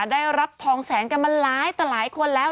ได้รับทองแสนกันมาหลายต่อหลายคนแล้ว